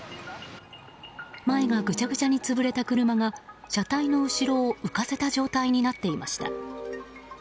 前がぐちゃぐちゃに潰れた車が車体の後ろを浮かせた状態になっていました。